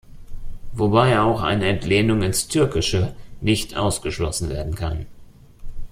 Wobei auch eine Entlehnung ins Türkische nicht ausgeschlossen werden kann.